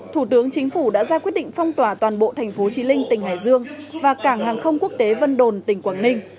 thủ tướng chính phủ đã ra quyết định phong tỏa toàn bộ tp chí linh tỉnh hải dương và cảng hàng không quốc tế vân đồn tỉnh quảng ninh